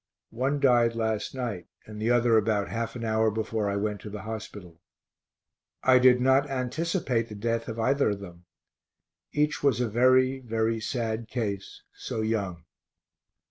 One died last night, and the other about half an hour before I went to the hospital. I did not anticipate the death of either of them. Each was a very, very sad case, so young.